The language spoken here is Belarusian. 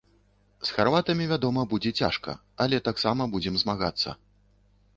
З харватамі, вядома, будзе цяжка, але таксама будзем змагацца.